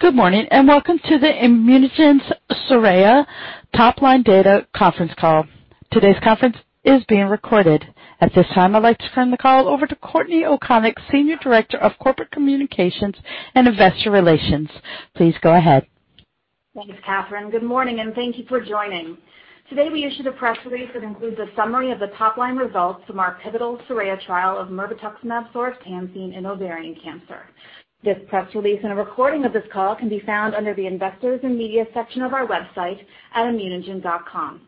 Good morning, and welcome to the ImmunoGen's SORAYA Top-Line Data Conference Call. Today's conference is being recorded. At this time, I'd like to turn the call over to Courtney O'Konek, Senior Director of Corporate Communications and Investor Relations. Please go ahead. Thanks, Courtney. Good morning, and thank you for joining. Today, we issued a press release that includes a summary of the top-line results from our pivotal SORAYA trial of mirvetuximab soravtansine in ovarian cancer. This press release and a recording of this call can be found under the Investors and Media section of our website at immunogen.com.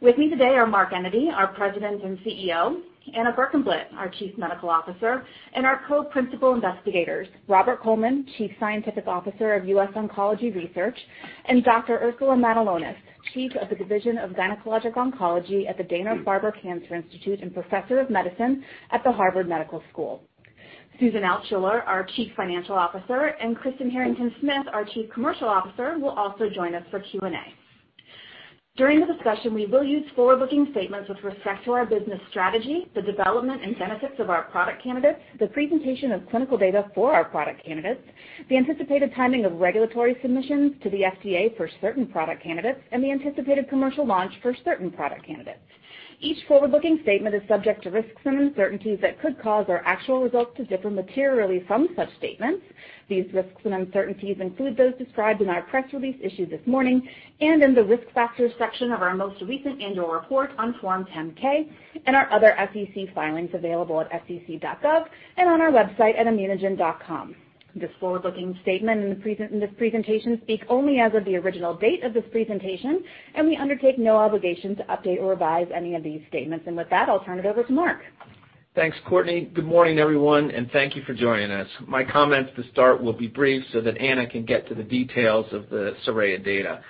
With me today are Mark Enyedy, our President and CEO, Anna Berkenblit, our Chief Medical Officer, and our co-principal investigators, Robert Coleman, Chief Scientific Officer of US Oncology Research, and Dr. Ursula Matulonis, Chief of the Division of Gynecologic Oncology at the Dana-Farber Cancer Institute and Professor of Medicine at the Harvard Medical School. Susan Altschuller, our Chief Financial Officer, and Kristen Harrington-Smith, our Chief Commercial Officer, will also join us for Q&A. During the discussion, we will use forward-looking statements with respect to our business strategy, the development and benefits of our product candidates, the presentation of clinical data for our product candidates, the anticipated timing of regulatory submissions to the FDA for certain product candidates, and the anticipated commercial launch for certain product candidates. Each forward-looking statement is subject to risks and uncertainties that could cause our actual results to differ materially from such statements. These risks and uncertainties include those described in our press release issued this morning and in the Risk Factors section of our most recent annual report on Form 10-K and our other SEC filings available at sec.gov and on our website at immunogen.com. These forward-looking statements in this presentation speak only as of the original date of this presentation, and we undertake no obligation to update or revise any of these statements. With that, I'll turn it over to Mark. Thanks, Courtney. Good morning, everyone, and thank you for joining us. My comments to start will be brief so that Anna can get to the details of the SORAYA data.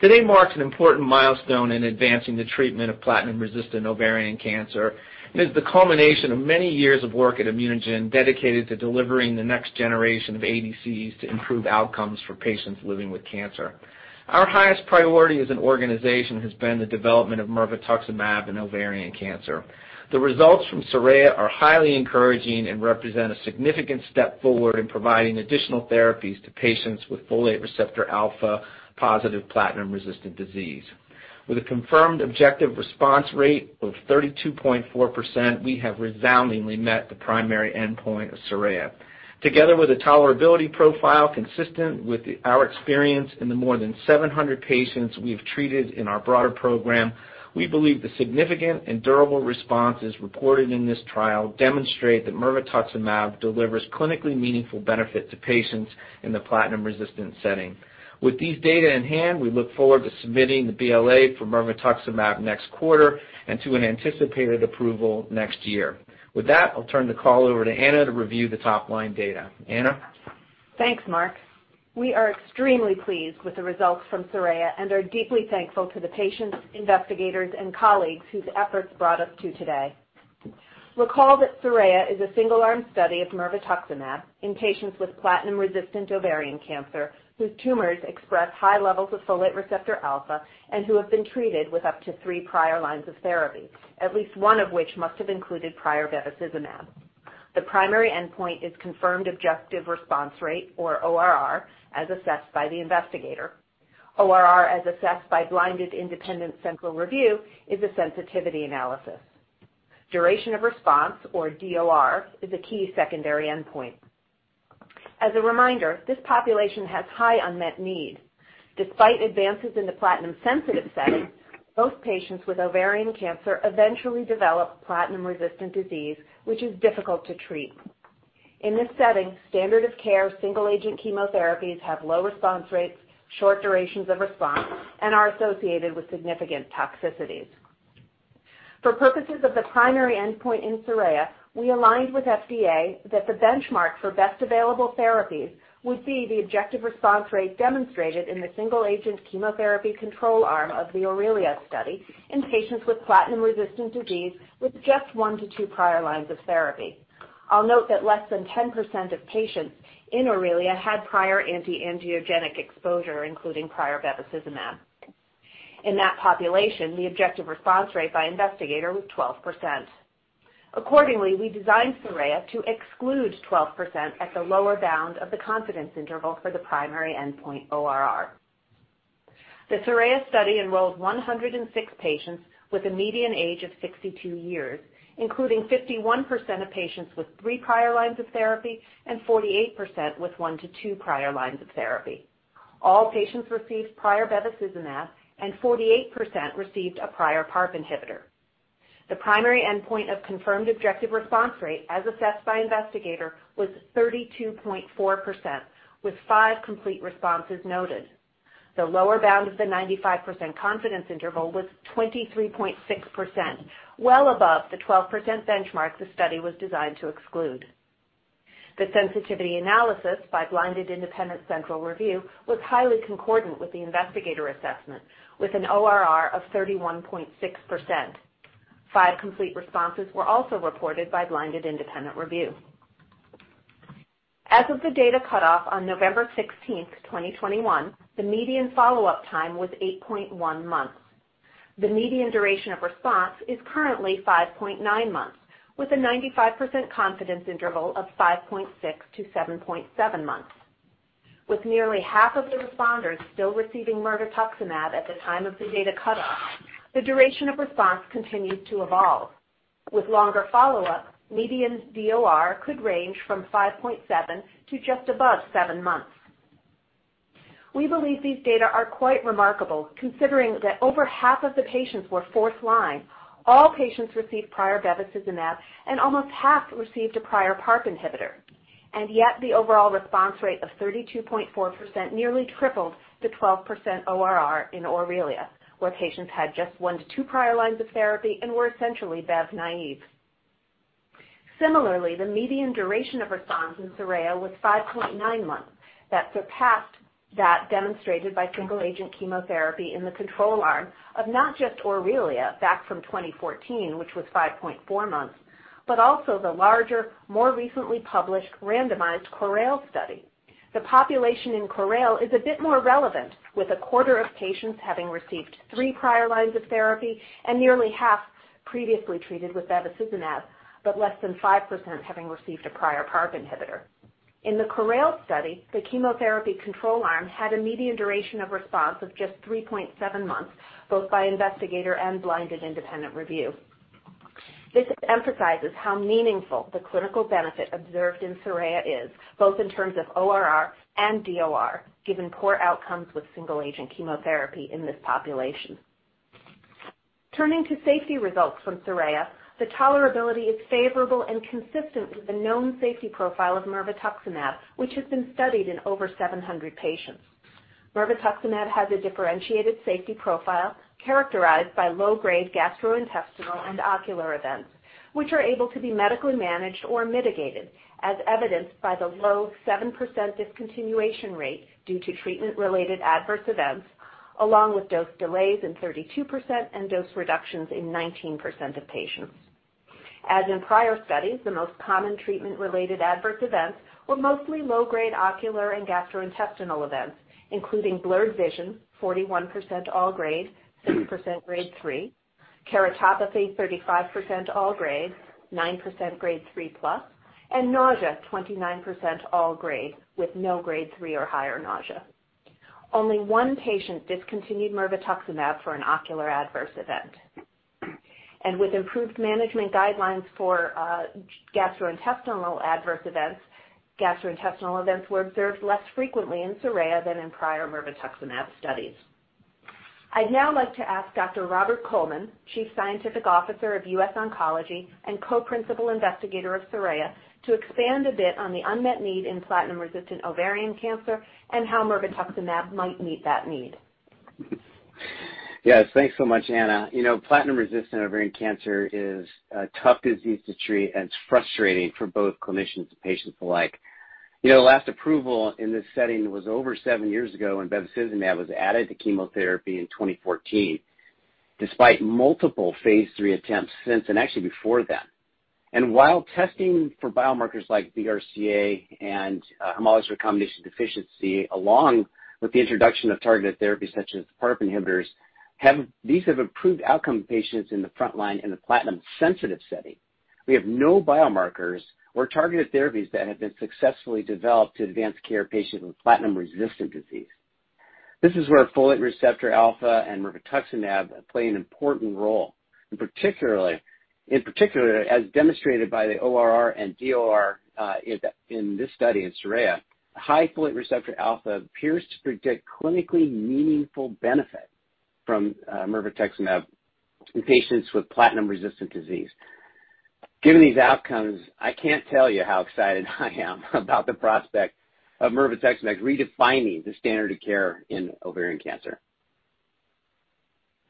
Today marks an important milestone in advancing the treatment of platinum-resistant ovarian cancer and is the culmination of many years of work at ImmunoGen dedicated to delivering the next generation of ADCs to improve outcomes for patients living with cancer. Our highest priority as an organization has been the development of mirvetuximab in ovarian cancer. The results from SORAYA are highly encouraging and represent a significant step forward in providing additional therapies to patients with folate receptor alpha-positive platinum-resistant disease. With a confirmed objective response rate of 32.4%, we have resoundingly met the primary endpoint of SORAYA. Together with a tolerability profile consistent with our experience in the more than 700 patients we've treated in our broader program, we believe the significant and durable responses reported in this trial demonstrate that mirvetuximab delivers clinically meaningful benefit to patients in the platinum-resistant setting. With these data in hand, we look forward to submitting the BLA for mirvetuximab next quarter and to an anticipated approval next year. With that, I'll turn the call over to Anna to review the top-line data. Anna? Thanks, Mark. We are extremely pleased with the results from SORAYA and are deeply thankful to the patients, investigators, and colleagues whose efforts brought us to today. Recall that SORAYA is a single-arm study of mirvetuximab in patients with platinum-resistant ovarian cancer, whose tumors express high-levels of folate receptor alpha and who have been treated with up to three prior lines of therapy, at least one of which must have included prior bevacizumab. The primary endpoint is confirmed objective response rate or ORR, as assessed by the investigator. ORR, as assessed by blinded independent central review, is a sensitivity analysis. Duration of response or DOR is a key secondary endpoint. As a reminder, this population has high unmet need. Despite advances in the platinum-sensitive setting, most patients with ovarian cancer eventually develop platinum-resistant disease, which is difficult to treat. In this setting, standard of care single-agent chemotherapies have low response rates, short durations of response, and are associated with significant toxicities. For purposes of the primary endpoint in SORAYA, we aligned with FDA that the benchmark for best available therapies would be the objective response rate demonstrated in the single-agent chemotherapy control arm of the AURELIA study in patients with platinum-resistant disease with just 1-2 prior lines of therapy. I'll note that less than 10% of patients in AURELIA had prior anti-angiogenic exposure, including prior bevacizumab. In that population, the objective response rate by investigator was 12%. Accordingly, we designed SORAYA to exclude 12% at the lower bound of the confidence interval for the primary endpoint ORR. The SORAYA study enrolled 106 patients with a median age of 62-years, including 51% of patients with 3 prior lines of therapy and 48% with 1-2 prior lines of therapy. All patients received prior bevacizumab, and 48% received a prior PARP inhibitor. The primary endpoint of confirmed objective response rate as assessed by investigator was 32.4%, with 5 complete responses noted. The lower bound of the 95% confidence interval was 23.6%, well above the 12% benchmark the study was designed to exclude. The sensitivity analysis by blinded independent central review was highly concordant with the investigator assessment, with an ORR of 31.6%. Five complete responses were also reported by blinded independent review. As of the data cutoff on November 16, 2021, the median follow-up time was 8.1 months. The median duration of response is currently 5.9 months, with a 95% confidence interval of 5.6-7.7 months. With nearly half of the responders still receiving mirvetuximab at the time of the data cutoff, the duration of response continues to evolve. With longer follow-up, median DOR could range from 5.7 to just above 7 months. We believe these data are quite remarkable, considering that over half of the patients were fourth line, all patients received prior bevacizumab, and almost half received a prior PARP inhibitor. Yet the overall response rate of 32.4% nearly tripled to 12% ORR in AURELIA, where patients had just 1-2 prior lines of therapy and were essentially bevacizumab. Similarly, the median duration of response in SORAYA was 5.9 months. That surpassed that demonstrated by single-agent chemotherapy in the control arm of not just AURELIA back from 2014, which was 5.4 months, but also the larger, more recently published randomized CORAL study. The population in CORAL is a bit more relevant, with a quarter of patients having received 3 prior lines of therapy and nearly half previously treated with bevacizumab, but less than 5% having received a prior PARP inhibitor. In the CORAL study, the chemotherapy control arm had a median duration of response of just 3.7 months, both by investigator and blinded independent review. This emphasizes how meaningful the clinical benefit observed in SORAYA is, both in terms of ORR and DOR, given poor outcomes with single-agent chemotherapy in this population. Turning to safety results from SORAYA, the tolerability is favorable and consistent with the known safety profile of mirvetuximab, which has been studied in over 700 patients. Mirvetuximab has a differentiated safety profile characterized by low-grade gastrointestinal and ocular events, which are able to be medically managed or mitigated, as evidenced by the low 7% discontinuation rate due to treatment-related adverse events, along with dose delays in 32% and dose reductions in 19% of patients. As in prior studies, the most common treatment-related adverse events were mostly low-grade ocular and gastrointestinal events, including blurred vision, 41% all grade, 6% grade three, keratopathy, 35% all grade, 9% grade three plus, and nausea, 29% all grade, with no grade three or higher nausea. Only one patient discontinued mirvetuximab for an ocular adverse event. With improved management guidelines for gastrointestinal adverse events, gastrointestinal events were observed less frequently in SORAYA than in prior mirvetuximab studies. I'd now like to ask Dr. Robert Coleman, Chief Scientific Officer of US Oncology Research, and co-principal investigator of SORAYA, to expand a bit on the unmet need in platinum-resistant ovarian cancer and how mirvetuximab might meet that need. Yes. Thanks so much, Anna. You know, platinum-resistant ovarian cancer is a tough disease to treat, and it's frustrating for both clinicians and patients alike. You know, the last approval in this setting was over seven years ago when bevacizumab was added to chemotherapy in 2014, despite multiple phase III attempts since and actually before then. While testing for biomarkers like BRCA and homologous recombination deficiency, along with the introduction of targeted therapy such as PARP inhibitors, these have improved outcomes for patients in the front line in the platinum-sensitive setting. We have no biomarkers or targeted therapies that have been successfully developed to advance care for patients with platinum-resistant disease. This is where folate receptor alpha and mirvetuximab play an important role, in particular, as demonstrated by the ORR and DOR in this study in SORAYA, high folate receptor alpha appears to predict clinically meaningful benefit from mirvetuximab in patients with platinum-resistant disease. Given these outcomes, I can't tell you how excited I am about the prospect of mirvetuximab redefining the standard of care in ovarian cancer.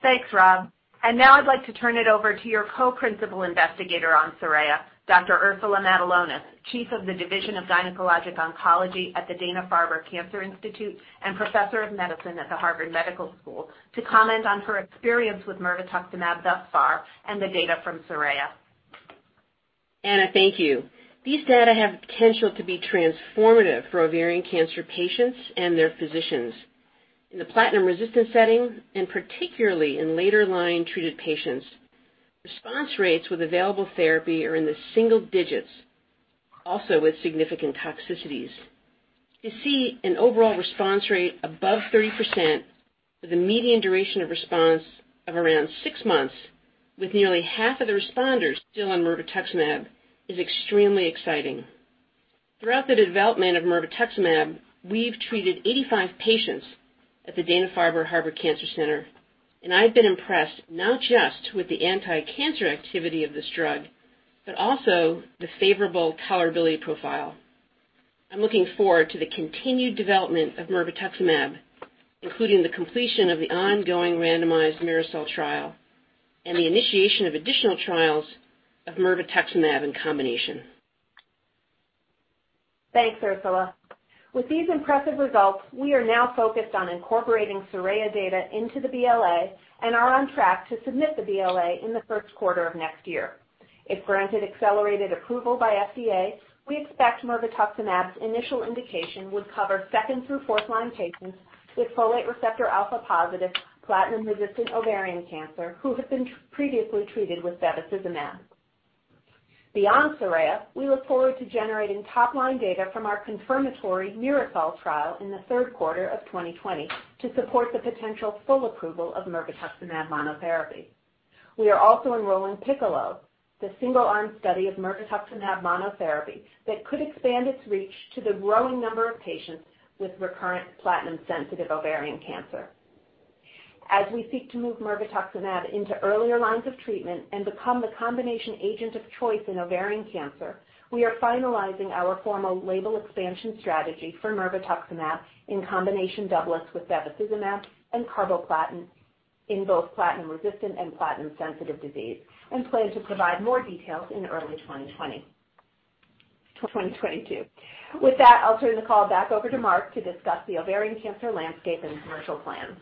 Thanks, Rob. Now I'd like to turn it over to your co-principal investigator on SORAYA, Dr. Ursula Matulonis, Chief of the Division of Gynecologic Oncology at the Dana-Farber Cancer Institute and Professor of Medicine at the Harvard Medical School, to comment on her experience with mirvetuximab thus far and the data from SORAYA. Anna, thank you. These data have the potential to be transformative for ovarian cancer patients and their physicians. In the platinum-resistant setting, and particularly in later line-treated patients, response rates with available therapy are in the single-digit, also with significant toxicities. To see an overall response rate above 30% with a median duration of response of around 6-months, with nearly half of the responders still on mirvetuximab, is extremely exciting. Throughout the development of mirvetuximab, we've treated 85 patients at the Dana-Farber/Harvard Cancer Center, and I've been impressed not just with the anti-cancer activity of this drug, but also the favorable tolerability profile. I'm looking forward to the continued development of mirvetuximab, including the completion of the ongoing randomized MIRASOL trial and the initiation of additional trials of mirvetuximab in combination. Thanks, Ursula. With these impressive results, we are now focused on incorporating SORAYA data into the BLA and are on track to submit the BLA in Q1 of next year. If granted accelerated approval by FDA, we expect mirvetuximab's initial indication would cover second- through fourth-line patients with folate receptor alpha positive platinum-resistant ovarian cancer who have been previously treated with bevacizumab. Beyond SORAYA, we look forward to generating top-line data from our confirmatory MIRASOL trial in Q3 of 2020 to support the potential full approval of mirvetuximab monotherapy. We are also enrolling PICCOLO, the single-arm study of mirvetuximab monotherapy that could expand its reach to the growing number of patients with recurrent platinum-sensitive ovarian cancer. As we seek to move mirvetuximab into earlier lines of treatment and become the combination agent of choice in ovarian cancer, we are finalizing our formal label expansion strategy for mirvetuximab in combination doublets with bevacizumab and carboplatin in both platinum-resistant and platinum-sensitive disease and plan to provide more details in early 2022. With that, I'll turn the call back over to Mark to discuss the ovarian cancer landscape and commercial plans.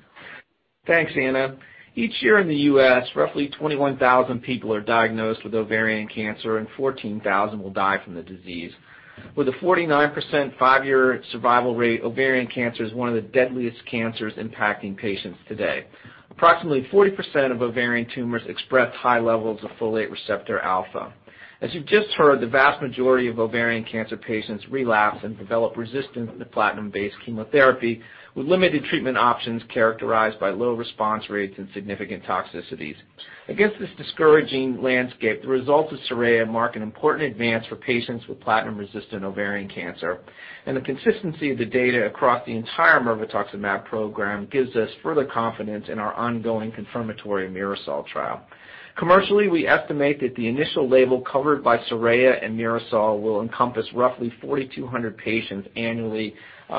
Thanks, Anna. Each year in the U.S., roughly 21,000 people are diagnosed with ovarian cancer, and 14,000 will die from the disease. With a 49% five-year survival rate, ovarian cancer is one of the deadliest cancers impacting patients today. Approximately 40% of ovarian tumors express high-levels of folate receptor alpha. As you've just heard, the vast majority of ovarian cancer patients relapse and develop resistance to platinum-based chemotherapy, with limited treatment options characterized by low response rates and significant toxicities. Against this discouraging landscape, the results of SORAYA mark an important advance for patients with platinum-resistant ovarian cancer, and the consistency of the data across the entire mirvetuximab program gives us further confidence in our ongoing confirmatory MIRASOL trial. Commercially, we estimate that the initial label covered by SORAYA and MIRASOL will encompass roughly 4,200 patients annually,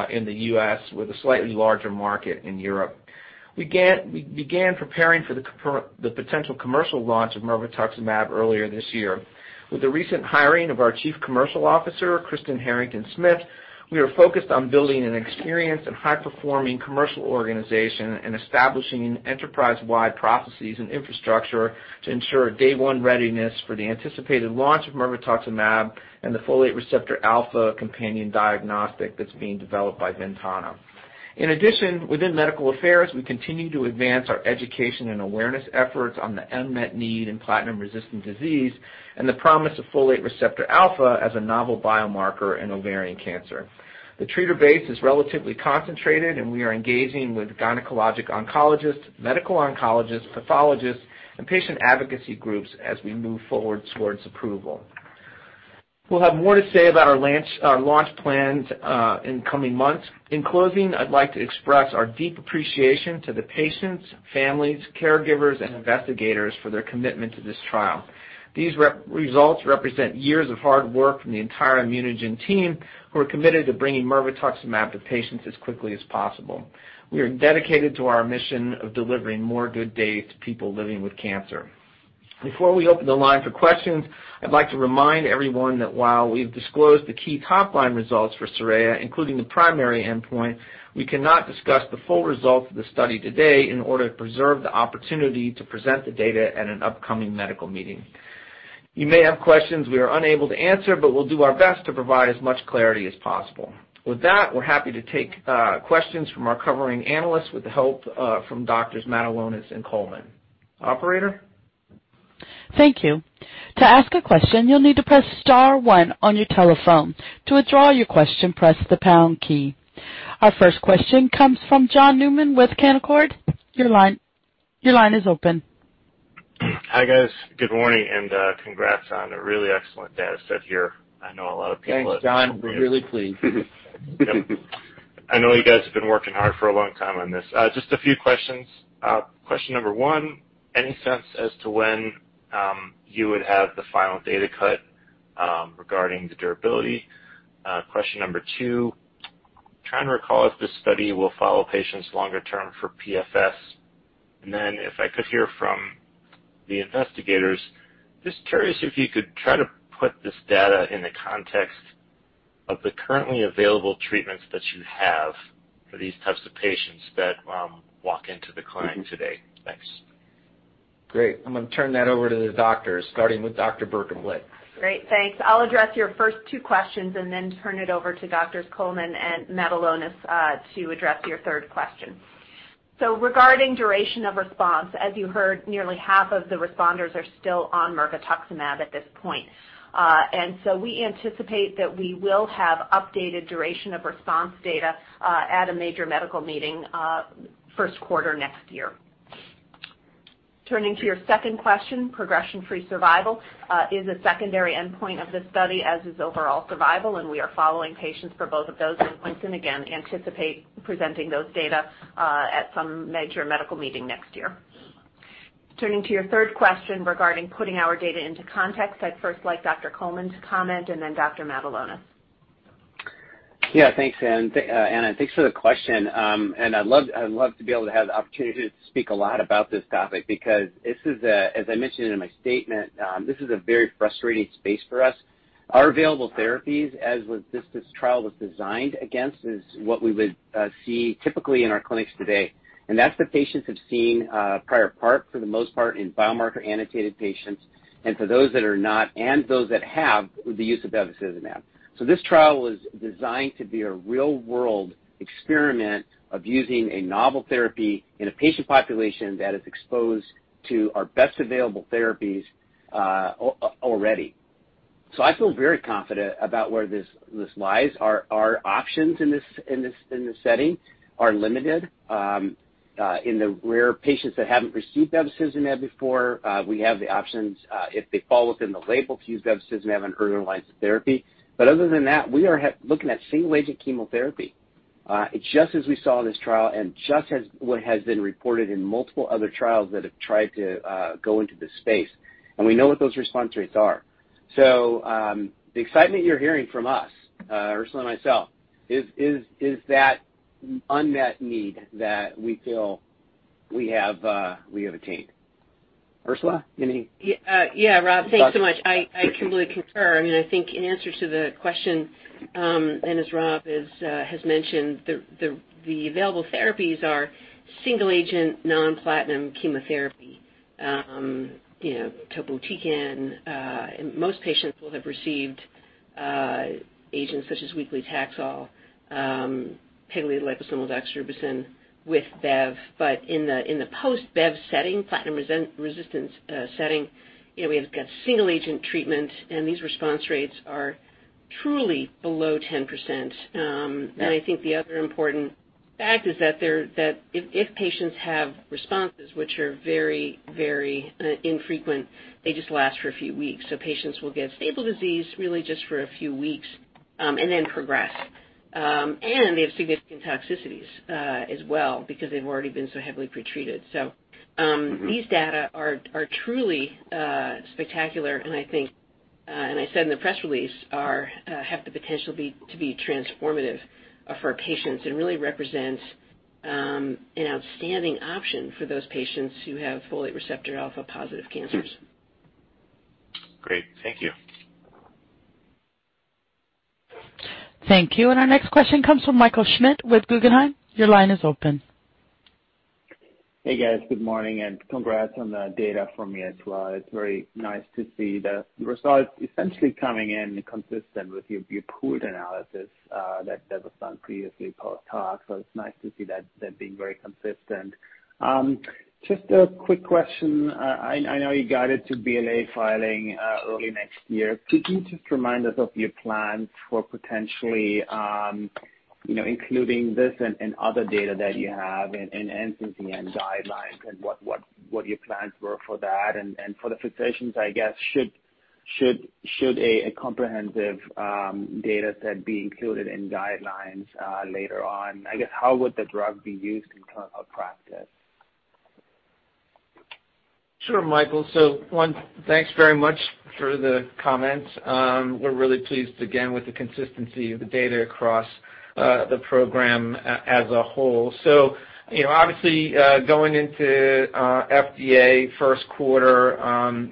in the U.S., with a slightly larger market in Europe. We began preparing for the potential commercial launch of mirvetuximab earlier this year. With the recent hiring of our chief commercial officer, Kristen Harrington-Smith, we are focused on building an experienced and high-performing commercial organization and establishing enterprise-wide processes and infrastructure to ensure day-one readiness for the anticipated launch of mirvetuximab and the folate receptor alpha companion diagnostic that's being developed by Ventana. In addition, within medical affairs, we continue to advance our education and awareness efforts on the unmet need in platinum-resistant disease and the promise of folate receptor alpha as a novel biomarker in ovarian cancer. The treater base is relatively concentrated, and we are engaging with gynecologic oncologists, medical oncologists, pathologists, and patient advocacy groups as we move forward towards approval. We'll have more to say about our launch plans in coming months. In closing, I'd like to express our deep appreciation to the patients, families, caregivers, and investigators for their commitment to this trial. These results represent years of hard work from the entire ImmunoGen team who are committed to bringing mirvetuximab to patients as quickly as possible. We are dedicated to our mission of delivering more good days to people living with cancer. Before we open the line for questions, I'd like to remind everyone that while we've disclosed the key top-line results for SORAYA, including the primary endpoint, we cannot discuss the full results of the study today in order to preserve the opportunity to present the data at an upcoming medical meeting. You may have questions we are unable to answer, but we'll do our best to provide as much clarity as possible. With that, we're happy to take questions from our covering analysts with the help from Doctors Matulonis and Coleman. Operator? Thank you. To ask a question, you'll need to press star one on your telephone. To withdraw your question, press the pound key. Our first question comes from John Newman with Canaccord. Your line is open. Hi, guys. Good morning and, congrats on a really excellent data set here. I know a lot of people. Thanks, John. We're really pleased. I know you guys have been working hard for a long time on this. Just a few questions. Question number one, any sense as to when you would have the final data cut regarding the durability? Question number two, trying to recall if this study will follow patients longer term for PFS. If I could hear from the investigators, just curious if you could try to put this data in the context of the currently available treatments that you have for these types of patients that walk into the clinic today. Thanks. Great. I'm gonna turn that over to the doctors, starting with Dr. Berkenblit. Great. Thanks. I'll address your first two questions and then turn it over to Dr. Coleman and Dr. Matulonis to address your third question. Regarding duration of response, as you heard, nearly half of the responders are still on mirvetuximab at this point. We anticipate that we will have updated duration of response data at a major medical meeting Q1 next year. Turning to your second question, progression-free survival is a secondary endpoint of this study, as is overall survival, and we are following patients for both of those endpoints and again anticipate presenting those data at some major medical meeting next year. Turning to your third question regarding putting our data into context, I'd first like Dr. Coleman to comment and then Dr. Matulonis. Yeah, thanks, Anna, thanks for the question. I'd love to be able to have the opportunity to speak a lot about this topic because this is a very frustrating space for us, as I mentioned in my statement. Our available therapies, as was this trial was designed against, is what we would see typically in our clinics today. That's what patients have seen prior, for the most part in biomarker-annotated patients and for those that are not, and those that have with the use of bevacizumab. This trial was designed to be a real-world experiment of using a novel therapy in a patient population that is exposed to our best available therapies already. I feel very confident about where this lies. Our options in this setting are limited. In the rare patients that haven't received bevacizumab before, we have the options, if they fall within the label, to use bevacizumab in an earlier line of therapy. Other than that, we are looking at single-agent chemotherapy. It's just as we saw in this trial and just as what has been reported in multiple other trials that have tried to go into this space. We know what those response rates are. The excitement you're hearing from us, Ursula and myself, is that unmet need that we feel we have attained. Ursula, any- Yeah, Rob, thanks so much. Thoughts? I truly concur. I mean, I think in answer to the question, and as Rob has mentioned, the available therapies are single-agent non-platinum chemotherapy. You know, topotecan, and most patients will have received agents such as weekly Taxol, pegylated liposomal doxorubicin with bev. In the post-bev setting, platinum resistance setting, you know, we've got single-agent treatment, and these response rates are truly below 10%. Yeah. I think the other important fact is that if patients have responses which are very, very infrequent, they just last for a few weeks. Patients will get stable disease really just for a few weeks and then progress. They have significant toxicities as well because they've already been so heavily pretreated. Mm-hmm. These data are truly spectacular and I think, and I said in the press release, have the potential to be transformative for our patients and really represents an outstanding option for those patients who have folate receptor alpha-positive cancers. Great. Thank you. Thank you. Our next question comes from Michael Schmidt with Guggenheim. Your line is open. Hey, guys. Good morning, and congrats on the data from you as well. It's very nice to see the results essentially coming in consistent with your pooled analysis that was done previously post hoc. So it's nice to see that being very consistent. Just a quick question. I know you got it to BLA filing early next year. Could you just remind us of your plans for potentially you know including this and other data that you have in NCCN guidelines and what your plans were for that and for the physicians I guess should a comprehensive data set be included in guidelines later on? I guess how would the drug be used in clinical practice? Sure, Michael. One, thanks very much for the comments. We're really pleased again with the consistency of the data across the program as a whole. You know, obviously, going into FDA Q1,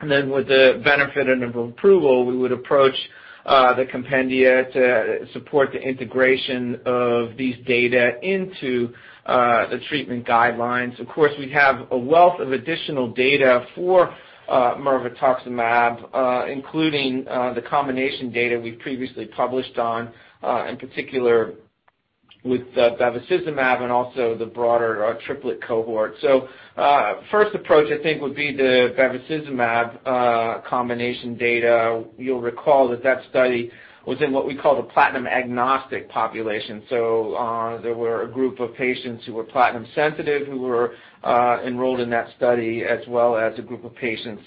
and then with the benefit of approval, we would approach the compendia to support the integration of these data into the treatment guidelines. Of course, we have a wealth of additional data for mirvetuximab, including the combination data we've previously published on, in particular with the bevacizumab and also the broader triplet cohort. First approach I think would be the bevacizumab combination data. You'll recall that study was in what we call the platinum-agnostic population. There were a group of patients who were platinum sensitive who were enrolled in that study, as well as a group of patients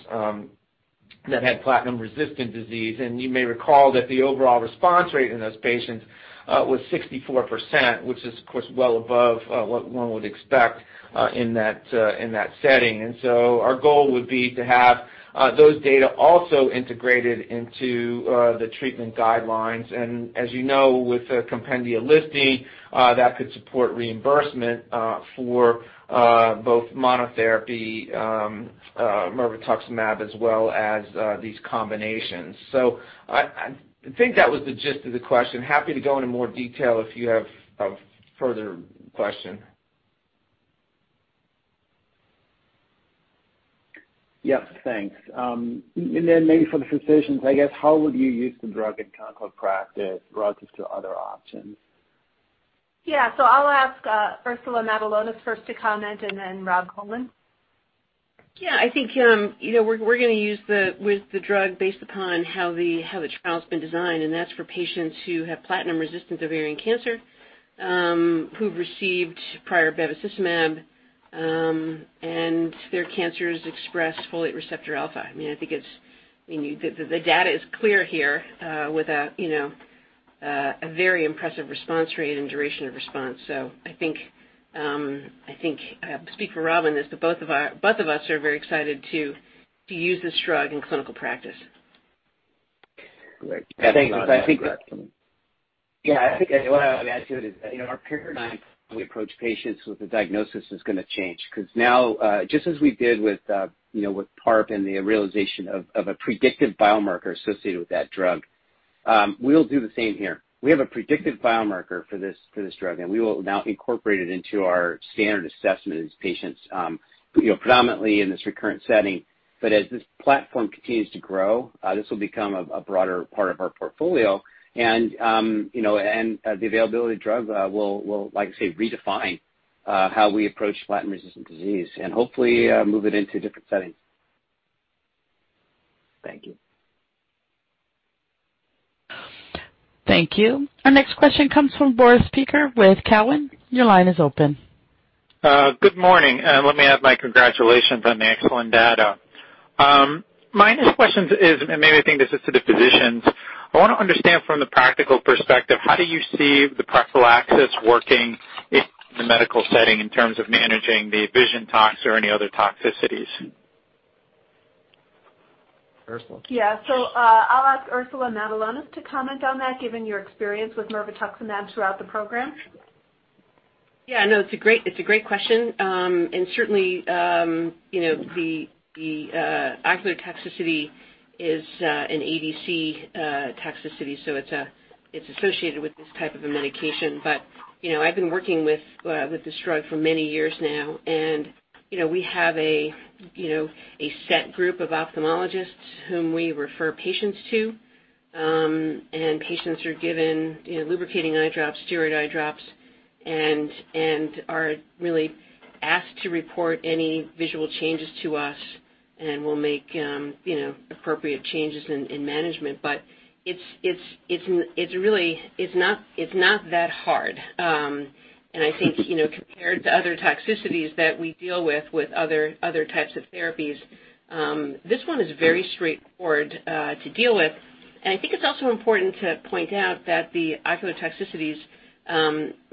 that had platinum-resistant disease. You may recall that the overall response rate in those patients was 64%, which is of course well above what one would expect in that setting. Our goal would be to have those data also integrated into the treatment guidelines. As you know, with the compendia listing, that could support reimbursement for both monotherapy mirvetuximab as well as these combinations. I think that was the gist of the question. Happy to go into more detail if you have a further question. Yes. Thanks. Maybe for the physicians, I guess, how would you use the drug in clinical practice relative to other options? Yeah. I'll ask Ursula Matulonis first to comment and then Robert Coleman. Yeah. I think, you know, we're gonna use the drug based upon how the trial's been designed, and that's for patients who have platinum-resistant ovarian cancer, who've received prior bevacizumab, and their cancers express folate receptor alpha. I mean, I think it's. I mean, the data is clear here, with you know a very impressive response rate and duration of response. I think speak for Rob on this, that both of us are very excited to use this drug in clinical practice. Great. Thank you. Yeah, I think what I would add to it is that, you know, our paradigm, we approach patients with the diagnosis is gonna change, 'cause now, just as we did with, you know, with PARP and the realization of a predictive biomarker associated with that drug, we'll do the same here. We have a predictive biomarker for this drug, and we will now incorporate it into our standard assessment as patients, you know, predominantly in this recurrent setting. But as this platform continues to grow, this will become a broader part of our portfolio and, you know, the availability of drug will, like I say, redefine how we approach platinum-resistant disease and hopefully move it into different settings. Thank you. Thank you. Our next question comes from Boris Peaker with Cowen. Your line is open. Good morning, and let me add my congratulations on the excellent data. My next question is, and maybe I think this is to the physicians, I wanna understand from the practical perspective, how do you see the prophylaxis working in the medical setting in terms of managing the vision tox or any other toxicities? Ursula. Yeah. I'll ask Ursula Matulonis to comment on that, given your experience with mirvetuximab throughout the program. Yeah, no, it's a great question. Certainly, you know, the ocular toxicity is an ADC toxicity, so it's associated with this type of a medication. You know, I've been working with this drug for many years now and, you know, we have a set group of ophthalmologists whom we refer patients to. Patients are given lubricating eye drops, steroid eye drops, and are really asked to report any visual changes to us and we'll make appropriate changes in management. It's really not that hard. I think, you know, compared to other toxicities that we deal with other types of therapies, this one is very straightforward to deal with. I think it's also important to point out that the ocular toxicities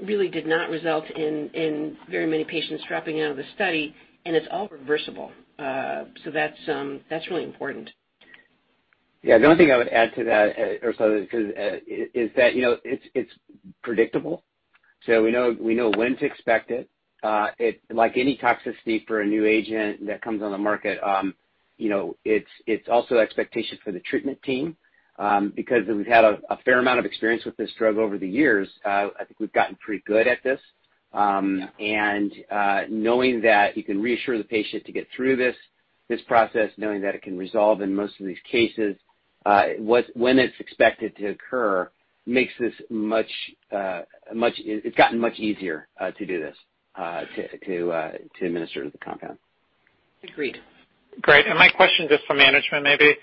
really did not result in very many patients dropping out of the study, and it's all reversible. That's really important. Yeah. The only thing I would add to that, Ursula, is that, you know, it's predictable. We know when to expect it. Like any toxicity for a new agent that comes on the market, you know, it's also expectation for the treatment team. Because we've had a fair amount of experience with this drug over the years, I think we've gotten pretty good at this. Knowing that you can reassure the patient to get through this process, knowing that it can resolve in most of these cases, when it's expected to occur makes this much easier. It's gotten much easier to do this, to administer the compound. Agreed. Great. My question just for management maybe,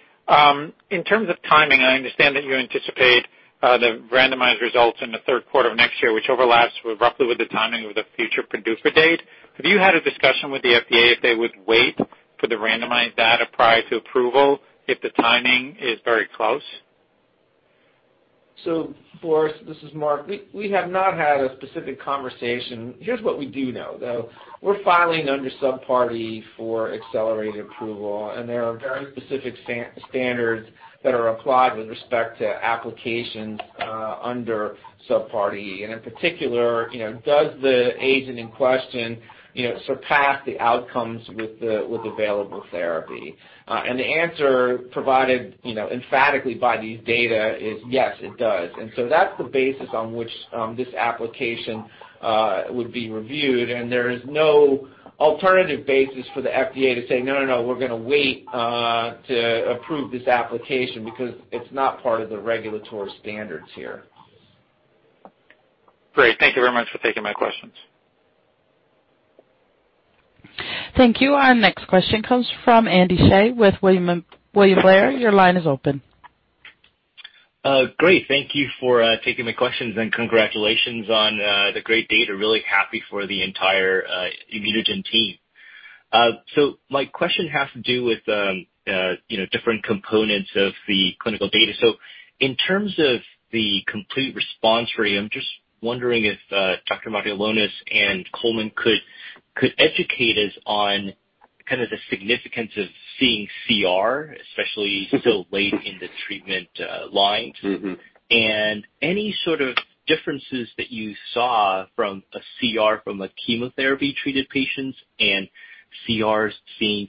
in terms of timing, I understand that you anticipate the randomized results in Q3 of next year, which overlaps roughly with the timing of the future PDUFA date. Have you had a discussion with the FDA if they would wait for the randomized data prior to approval if the timing is very close? Boris Peaker, this is Mark Enyedy. We have not had a specific conversation. Here's what we do know, though. We're filing under Subpart E for accelerated approval, and there are very specific standards that are applied with respect to applications under Subpart E. In particular, you know, does the agent in question, you know, surpass the outcomes with available therapy? The answer provided, you know, emphatically by these data is yes, it does. That's the basis on which this application would be reviewed. There is no alternative basis for the FDA to say, "No, no. We're gonna wait to approve this application," because it's not part of the regulatory standards here. Great. Thank you very much for taking my questions. Thank you. Our next question comes from Andy Hsieh with William Blair. Your line is open. Great. Thank you for taking my questions, and congratulations on the great data. Really happy for the entire ImmunoGen team. My question has to do with, you know, different components of the clinical data. In terms of the complete response rate, I'm just wondering if Dr. Matulonis and Coleman could educate us on kind of the significance of seeing CR, especially so late in the treatment lines. Mm-hmm. Any sort of differences that you saw from CRs from chemotherapy-treated patients and CRs seen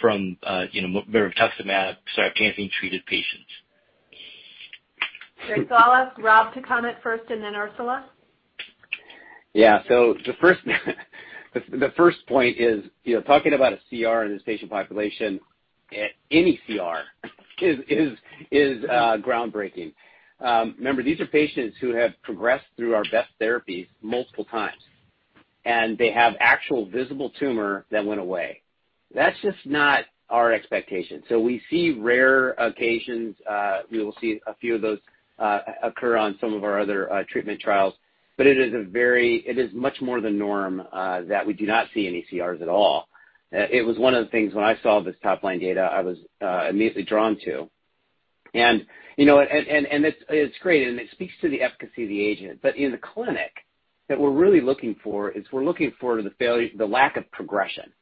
from, you know, mirvetuximab soravtansine-treated patients. I'll ask Rob to comment first and then Ursula. The first point is, you know, talking about a CR in this patient population at any CR is groundbreaking. Remember, these are patients who have progressed through our best therapies multiple times, and they have actual visible tumor that went away. That's just not our expectation. We see rare occasions we will see a few of those occur on some of our other treatment trials, but it is much more the norm that we do not see any CRs at all. It was one of the things when I saw this top-line data, I was immediately drawn to. You know, it's great, and it speaks to the efficacy of the agent. In the clinic, that we're really looking for is the failure, the lack of progression.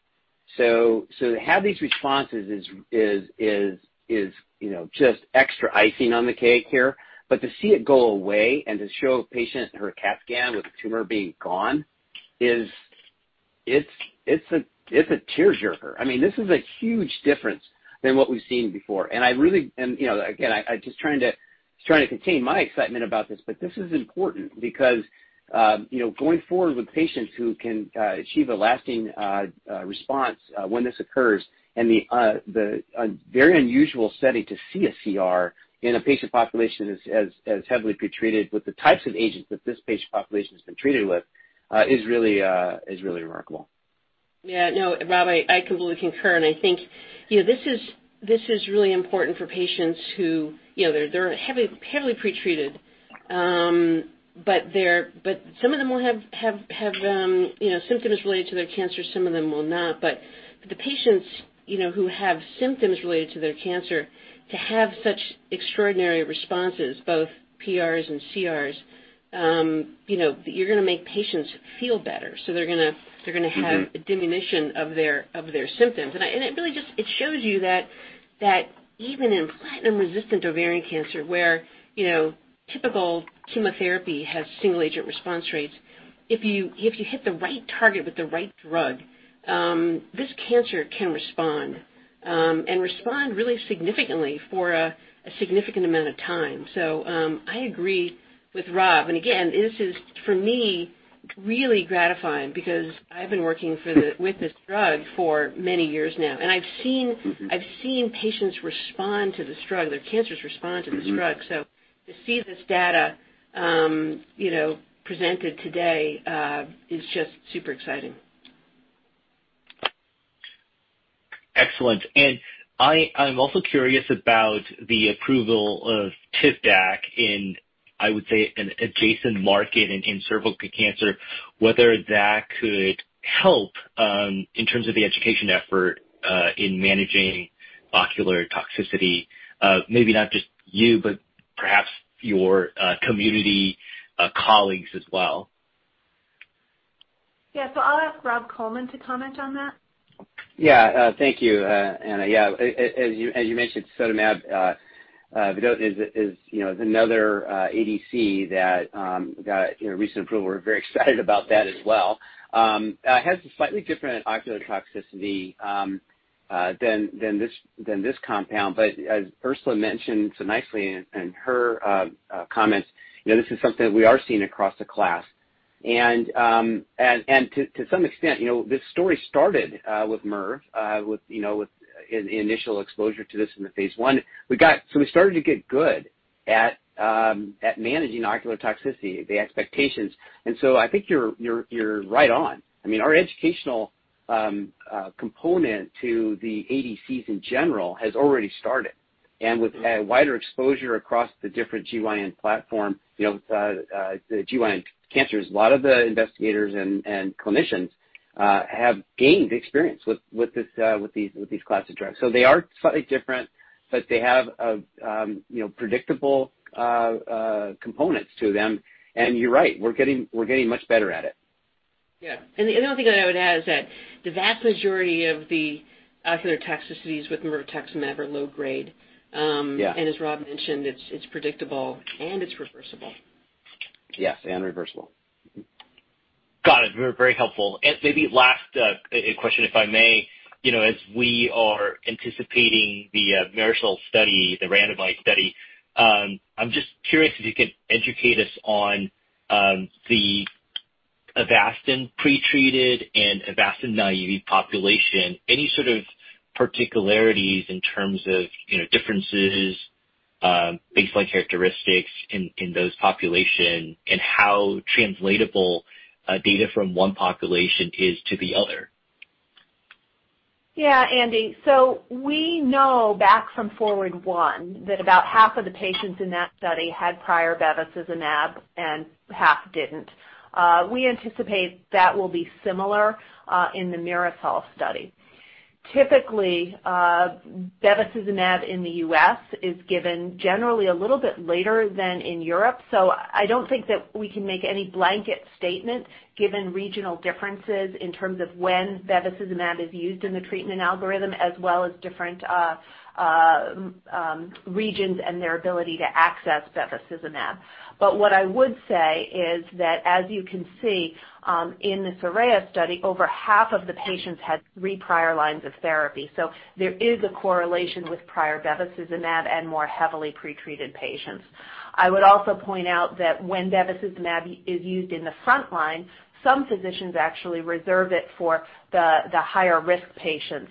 So to have these responses is, you know, just extra icing on the cake here. To see it go away and to show a patient and her CAT scan with the tumor being gone is a tearjerker. I mean, this is a huge difference than what we've seen before. You know, again, I just trying to contain my excitement about this, but this is important because, you know, going forward with patients who can achieve a lasting response when this occurs and the very unusual study to see a CR in a patient population as heavily pretreated with the types of agents that this patient population has been treated with is really remarkable. Yeah, no, Rob, I completely concur. I think, you know, this is really important for patients who, you know, they're heavily pretreated, but some of them will have symptoms related to their cancer, some of them will not. The patients, you know, who have symptoms related to their cancer, to have such extraordinary responses, both PRs and CRs, you know, you're gonna make patients feel better. They're gonna Mm-hmm. Have a diminution of their symptoms. It really just shows you that even in platinum-resistant ovarian cancer where, you know, typical chemotherapy has single-agent response rates, if you hit the right target with the right drug, this cancer can respond and respond really significantly for a significant amount of time. I agree with Rob. Again, this is, for me, really gratifying because I've been working with this drug for many years now. I've seen Mm-hmm. I've seen patients respond to this drug, their cancers respond to this drug. Mm-hmm. To see this data, you know, presented today, is just super exciting. Excellent. I'm also curious about the approval of Tivdak in an adjacent market, I would say, in cervical cancer, whether that could help in terms of the education effort in managing ocular toxicity, maybe not just you, but perhaps your community, colleagues as well. Yeah. I'll ask Robert Coleman to comment on that. Yeah. Thank you, Anna. Yeah. As you mentioned, tisotumab vedotin is, you know, another ADC that got, you know, recent approval. We're very excited about that as well. It has a slightly different ocular toxicity than this compound. As Ursula mentioned so nicely in her comments, you know, this is something that we are seeing across the class. To some extent, you know, this story started with MIRV, with initial exposure to this in the phase I. We started to get good at managing ocular toxicity, the expectations. I think you're right on. I mean, our educational component to the ADCs in general has already started. With a wider exposure across the different GYN platform, you know, the GYN cancers, a lot of the investigators and clinicians have gained experience with these class of drugs. They are slightly different, but they have a you know, predictable components to them. You're right, we're getting much better at it. Yeah. The only thing that I would add is that the vast majority of the ocular toxicities with mirvetuximab are low-grade. Yeah. As Rob mentioned, it's predictable and it's reversible. Yes, reversible. Got it. Very, very helpful. Maybe last question, if I may. You know, as we are anticipating the MIRASOL study, the randomized study, I'm just curious if you could educate us on the Avastin pretreated and Avastin naive population, any sort of particularities in terms of, you know, differences, baseline characteristics in those population and how translatable data from one population is to the other. Yeah, Andy. We know back from FORWARD I that about half of the patients in that study had prior bevacizumab and half didn't. We anticipate that will be similar in the MIRASOL study. Typically, bevacizumab in the U.S. is given generally a little bit later than in Europe. I don't think that we can make any blanket statement given regional differences in terms of when bevacizumab is used in the treatment algorithm, as well as different regions and their ability to access bevacizumab. What I would say is that as you can see in the SORAYA study, over half of the patients had three prior lines of therapy. There is a correlation with prior bevacizumab and more heavily pretreated patients. I would also point out that when bevacizumab is used in the front line, some physicians actually reserve it for the higher risk patients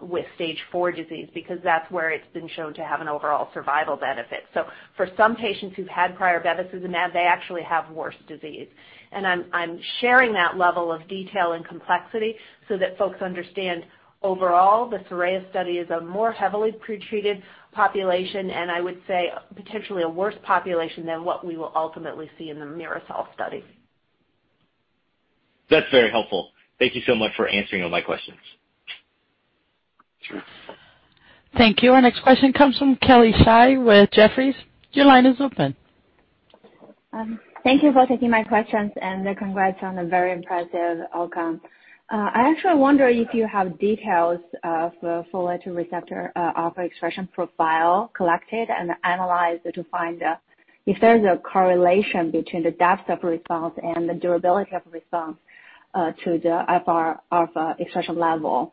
with stage four disease because that's where it's been shown to have an overall survival benefit. For some patients who've had prior bevacizumab, they actually have worse disease. I'm sharing that level of detail and complexity so that folks understand overall the SORAYA study is a more heavily pretreated population, and I would say potentially a worse population than what we will ultimately see in the MIRASOL study. That's very helpful. Thank you so much for answering all my questions. Sure. Thank you. Our next question comes from Kelly Shi with Jefferies. Your line is open. Thank you for taking my questions and congrats on a very impressive outcome. I actually wonder if you have details of folate receptor alpha expression profile collected and analyzed to find out if there's a correlation between the depth of response and the durability of response to the FRα expression level.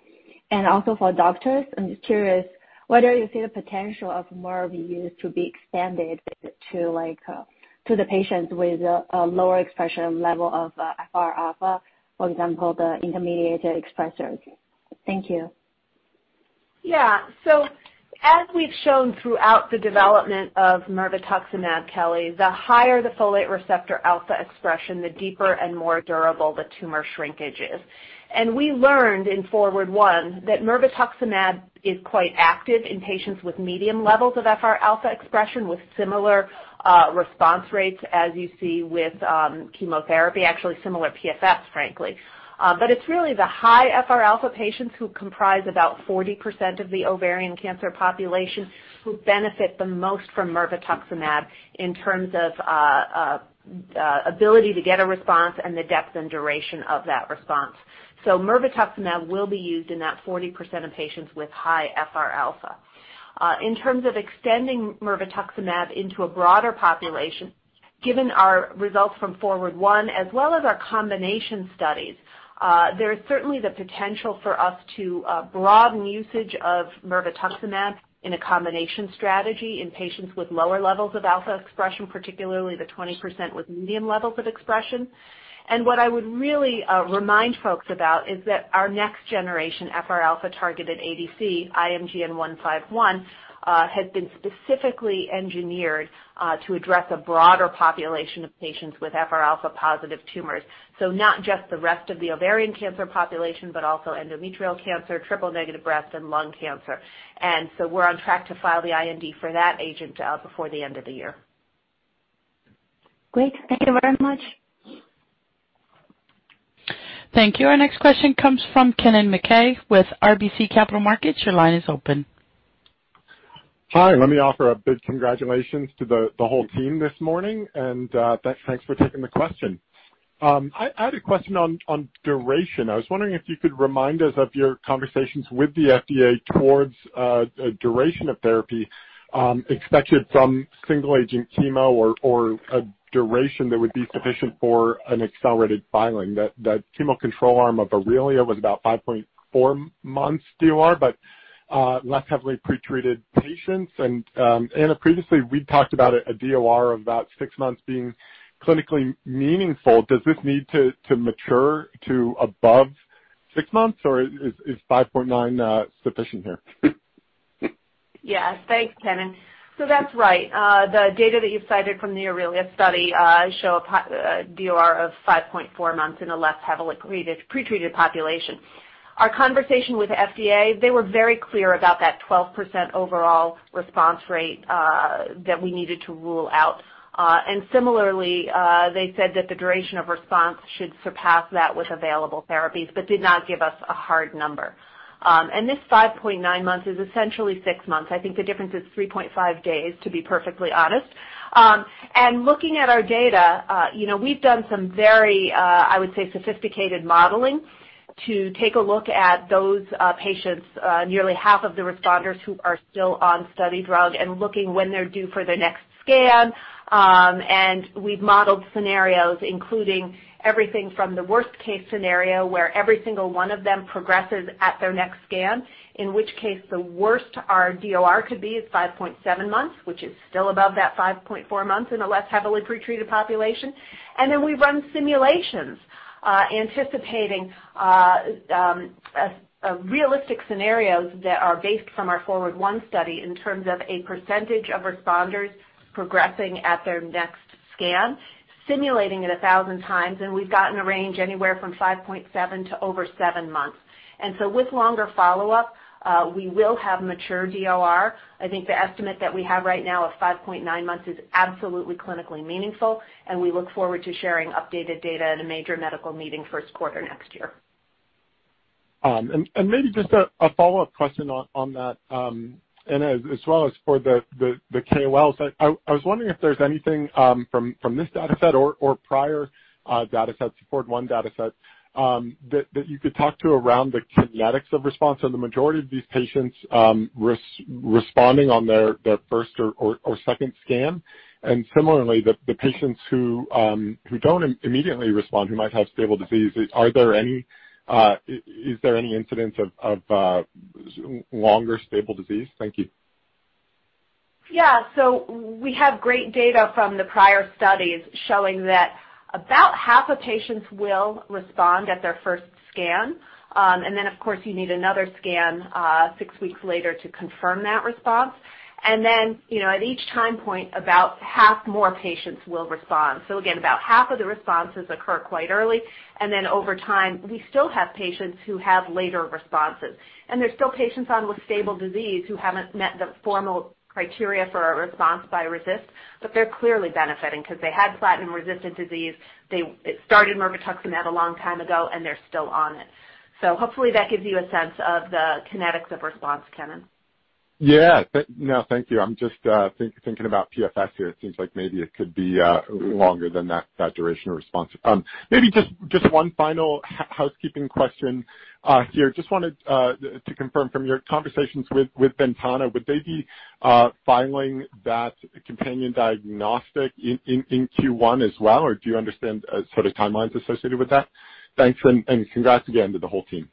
Also for doctors, I'm just curious whether you see the potential of mirvetuximab to be expanded to like to the patients with a lower expression level of FRα, for example, the intermediate expressers. Thank you. As we've shown throughout the development of mirvetuximab, Kelly, the higher the folate receptor alpha expression, the deeper and more durable the tumor shrinkage is. We learned in FORWARD I that mirvetuximab is quite active in patients with medium levels of FR alpha expression, with similar response rates as you see with chemotherapy, actually similar PFS, frankly. It's really the high FR alpha patients who comprise about 40% of the ovarian cancer population who benefit the most from mirvetuximab in terms of ability to get a response and the depth and duration of that response. Mirvetuximab will be used in that 40% of patients with high FR alpha. In terms of extending mirvetuximab into a broader population, given our results from FORWARD I, as well as our combination studies, there is certainly the potential for us to broaden usage of mirvetuximab in a combination strategy in patients with lower levels of FRα expression, particularly the 20% with medium levels of expression. What I would really remind folks about is that our next generation FRα-targeted ADC, IMGN151, has been specifically engineered to address a broader population of patients with FRα-positive tumors. Not just the rest of the ovarian cancer population, but also endometrial cancer, triple-negative breast, and lung cancer. We're on track to file the IND for that agent before the end of the year. Great. Thank you very much. Thank you. Our next question comes from Kennen MacKay with RBC Capital Markets. Your line is open. Hi, let me offer a big congratulations to the whole team this morning, and thanks for taking the question. I had a question on duration. I was wondering if you could remind us of your conversations with the FDA towards a duration of therapy expected from single-agent chemo or a duration that would be sufficient for an accelerated filing. That chemo control arm of AURELIA was about 5.4 months DOR, but less heavily pretreated patients. Anna, previously, we talked about a DOR of about 6 months being clinically meaningful. Does this need to mature to above 6 months, or is 5.9 sufficient here? Yes. Thanks, Kennen. That's right. The data that you've cited from the AURELIA study show a DOR of 5.4 months in a less heavily pretreated population. Our conversation with FDA, they were very clear about that 12% overall response rate that we needed to rule out. Similarly, they said that the duration of response should surpass that with available therapies but did not give us a hard number. This 5.9 months is essentially 6 months. I think the difference is 3.5 days, to be perfectly honest. Looking at our data, you know, we've done some very, I would say, sophisticated modeling to take a look at those patients, nearly half of the responders who are still on study drug and looking when they're due for their next scan. We've modeled scenarios including everything from the worst-case scenario, where every single one of them progresses at their next scan, in which case, the worst our DOR could be is 5.7 months, which is still above that 5.4 months in a less heavily pretreated population. We run simulations, anticipating realistic scenarios that are based from our FORWARD I study in terms of a percentage of responders progressing at their next scan, simulating it 1,000 times, and we've gotten a range anywhere from 5.7 to over 7 months. With longer follow-up, we will have mature DOR. I think the estimate that we have right now of 5.9 months is absolutely clinically meaningful, and we look forward to sharing updated data at a major medical meeting Q1 next year. Maybe just a follow-up question on that, Anna, as well as for the KOLs. I was wondering if there's anything from this dataset or prior datasets, FORWARD I dataset, that you could talk to around the kinetics of response and the majority of these patients responding on their first or second scan. Similarly, the patients who don't immediately respond, who might have stable disease, is there any incidence of longer stable disease? Thank you. Yeah. We have great data from the prior studies showing that about half of patients will respond at their first scan. Of course, you need another scan six weeks later to confirm that response. You know, at each time point, about half more patients will respond. Again, about half of the responses occur quite early, and then over time, we still have patients who have later responses. There's still patients on with stable disease who haven't met the formal criteria for a response by RECIST, but they're clearly benefiting because they had platinum-resistant disease. They started mirvetuximab a long time ago, and they're still on it. Hopefully that gives you a sense of the kinetics of response, Kennen. Yeah. No, thank you. I'm just thinking about PFS here. It seems like maybe it could be longer than that duration of response. Maybe just one final housekeeping question here. Just wanted to confirm from your conversations with Ventana, would they be filing that companion diagnostic in Q1 as well, or do you understand sort of timelines associated with that? Thanks, and congrats again to the whole team.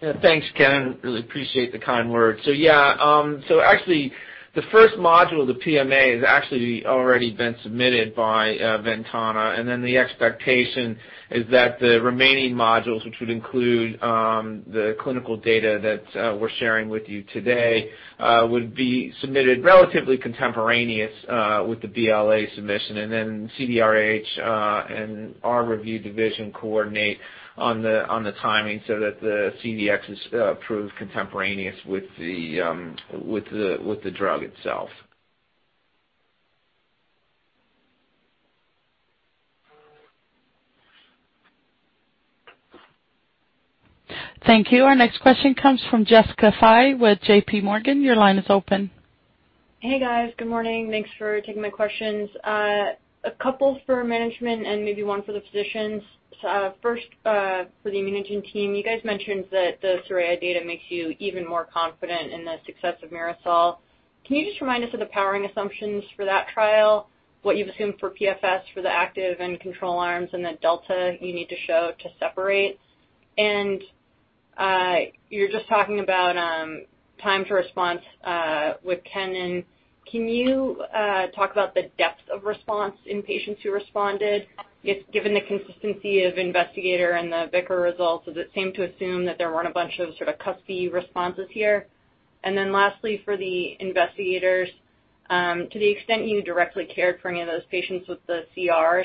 Yeah. Thanks, Ken. Really appreciate the kind words. Yeah, actually the first module of the PMA has actually already been submitted by Ventana, and then the expectation is that the remaining modules, which would include the clinical data that we're sharing with you today, would be submitted relatively contemporaneous with the BLA submission and then CDRH and our review division coordinate on the timing so that the CDX is approved contemporaneous with the drug itself. Thank you. Our next question comes from Jessica Fye with J.P. Morgan. Your line is open. Hey, guys. Good morning. Thanks for taking my questions. A couple for management and maybe one for the physicians. First, for the ImmunoGen team. You guys mentioned that the SORAYA data makes you even more confident in the success of MIRASOL. Can you just remind us of the powering assumptions for that trial, what you've assumed for PFS for the active and control arms, and the delta you need to show to separate? You're just talking about time to response with Kennen, and can you talk about the depth of response in patients who responded? If given the consistency of investigator and the BICR results, does it seem to assume that there weren't a bunch of sort of cuspy responses here? Lastly, for the investigators, to the extent you directly cared for any of those patients with the CRs,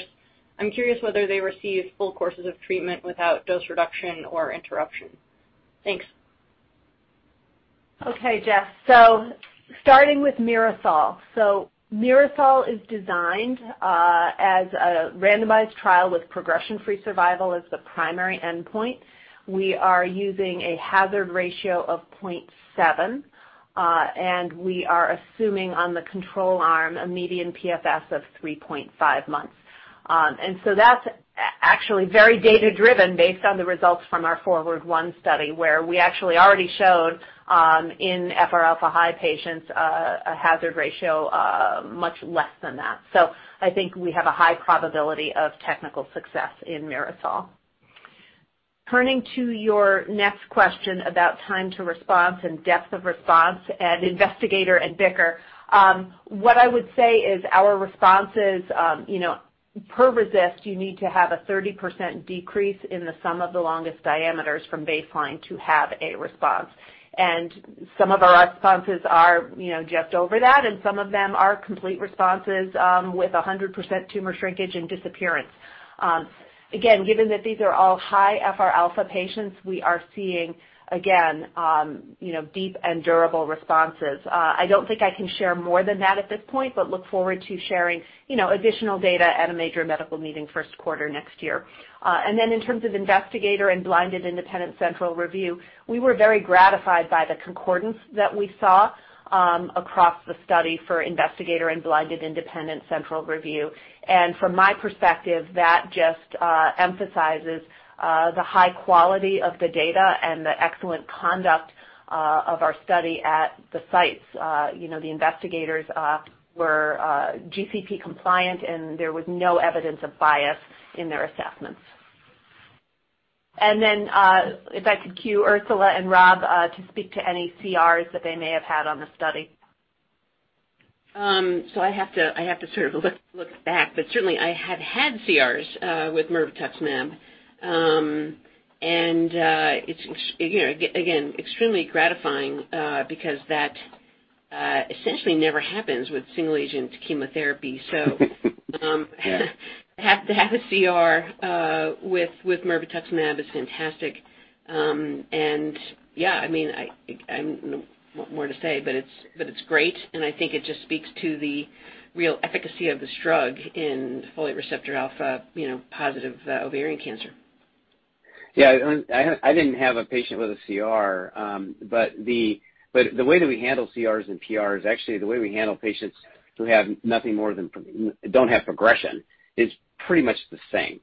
I'm curious whether they received full courses of treatment without dose reduction or interruption. Thanks. Okay, Jess. Starting with MIRASOL. MIRASOL is designed as a randomized trial with progression-free survival as the primary endpoint. We are using a hazard ratio of 0.7, and we are assuming on the control arm a median PFS of 3.5 months. That's actually very data-driven based on the results from our FORWARD I study where we actually already showed in FRα-high patients a hazard ratio much less than that. I think we have a high probability of technical success in MIRASOL. Turning to your next question about time to response and depth of response and investigator and BICR, what I would say is our responses you know per RECIST you need to have a 30% decrease in the sum of the longest diameters from baseline to have a response. Some of our responses are, you know, just over that, and some of them are complete responses, with 100% tumor shrinkage and disappearance. Again, given that these are all high FRα patients, we are seeing again, you know, deep and durable responses. I don't think I can share more than that at this point, but look forward to sharing, you know, additional data at a major medical meeting Q1 next year. In terms of investigator and blinded independent central review, we were very gratified by the concordance that we saw, across the study for investigator and blinded independent central review. From my perspective, that just emphasizes the high quality of the data and the excellent conduct of our study at the sites. you know, the investigators were GCP compliant, and there was no evidence of bias in their assessments. If I could cue Ursula Matulonis and Robert Coleman to speak to any CRs that they may have had on the study. I have to sort of look back, but certainly I have had CRs with mirvetuximab. It's you know, again, extremely gratifying because that essentially never happens with single-agent chemotherapy. Yeah. To have a CR with mirvetuximab is fantastic. Yeah, I mean, no more to say, but it's great, and I think it just speaks to the real efficacy of this drug in folate receptor alpha, you know, positive ovarian cancer. Yeah. I mean, I didn't have a patient with a CR, but the way that we handle CRs and PR is actually the way we handle patients who have nothing more than PR and don't have progression is pretty much the same.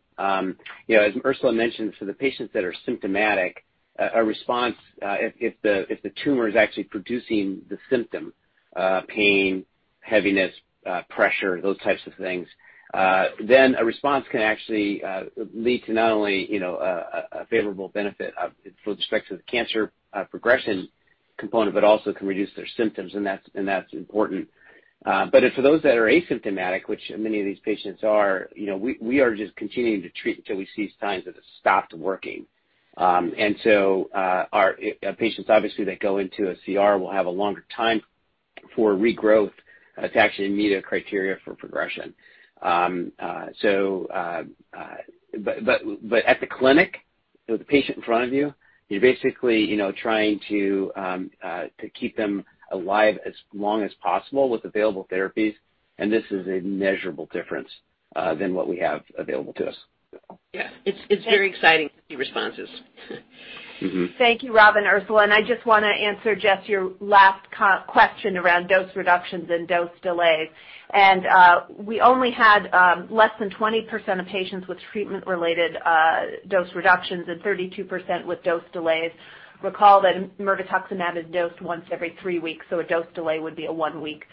You know, as Ursula mentioned, for the patients that are symptomatic, a response, if the tumor is actually producing the symptom, pain, heaviness, pressure, those types of things, then a response can actually lead to not only, you know, a favorable benefit with respect to the cancer progression component, but also can reduce their symptoms, and that's important. For those that are asymptomatic, which many of these patients are, you know, we are just continuing to treat until we see signs that it's stopped working. Our patients obviously that go into a CR will have a longer time for regrowth to actually meet a criteria for progression. At the clinic, with the patient in front of you're basically, you know, trying to keep them alive as long as possible with available therapies, and this is a measurable difference than what we have available to us. Yeah, it's very exciting to see responses. Thank you, Rob and Ursula. I just wanna answer, Jess, your last question around dose reductions and dose delays. We only had less than 20% of patients with treatment-related dose reductions and 32% with dose delays. Recall that mirvetuximab is dosed once every three weeks, so a dose delay would be a one-week delay.